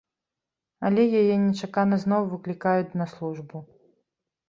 Але яе нечакана зноў выклікаюць на службу.